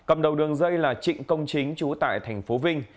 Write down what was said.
cầm đầu đường dây là trịnh công chính trú tại tp vinh